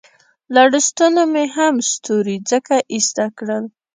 له لستوڼو مې هم ستوري ځکه ایسته کړل.